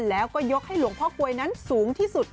แล้วก็ยกให้หลวงพ่อกลวยนั้นสูงที่สุด